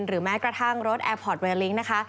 แม้กระทั่งรถแอร์พอร์ตเวลิ้งนะคะ